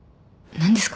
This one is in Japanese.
何ですか？